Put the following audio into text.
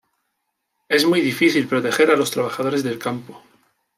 Es muy difícil proteger a los trabajadores del campo.